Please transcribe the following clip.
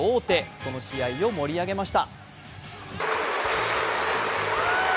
その試合を盛り上げました。